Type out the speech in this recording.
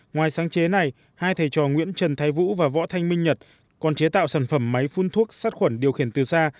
ngoài sáng chế này hai thầy trò nguyễn trần thái vũ và võ thanh minh nhật còn chế tạo sản phẩm máy phun thuốc sát khuẩn điều khiển từ xa